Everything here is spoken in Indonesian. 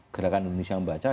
gerakan indonesia membaca